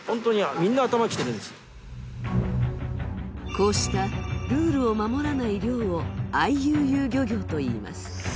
こうしたルールを守らない漁をＩＵＵ漁業といいます。